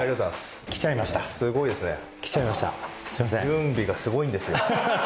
準備がすごいんですよ